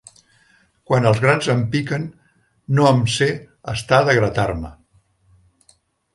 Quan els grans em piquen, no em sé estar de gratar-me.